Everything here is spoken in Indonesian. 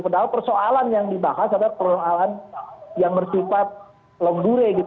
padahal persoalan yang dibahas adalah persoalan yang bersifat long dure gitu